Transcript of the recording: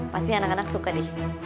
pasti anak anak suka nih